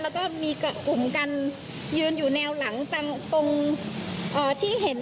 แล้วก็มีกลุ่มกันยืนอยู่แนวหลังตรงที่เห็น